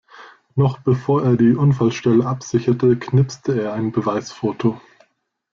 Noch bevor er die Unfallstelle absicherte, knipste er ein Beweisfoto.